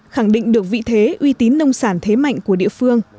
khẳng định được vị thế uy tín nông sản thế mạnh của địa phương